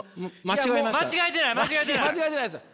間違えてないです。